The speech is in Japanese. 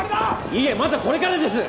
いえまだこれからです。